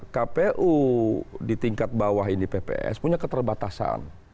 kpu di tingkat bawah ini pps punya keterbatasan